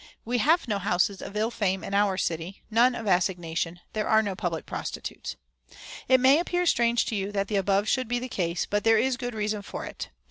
"We have no houses of ill fame in our city; none of assignation; there are no public prostitutes. "It may appear strange to you that the above should be the case, but there is good reason for it.